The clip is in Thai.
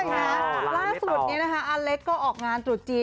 ล่าสุดนี้นะคะอเล็กก็ออกงานตรุษจีน